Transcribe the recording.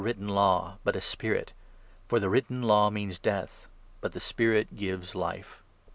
written Law, but a Spirit. For the written Law means Death, but the Spirit gives Life.